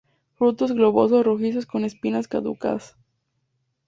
Frutos globosos rojizos con espinas caducas.